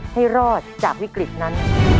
ให้รอดจากวิกฤตนั้น